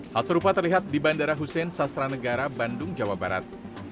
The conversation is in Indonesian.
hal serupa terlihat di bandara hussein sastra negara bandung jawa barat